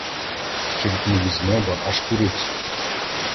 Черкнув із неба, аж курить!